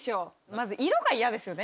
まず色が嫌ですよね。